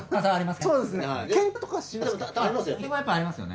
そうですよね。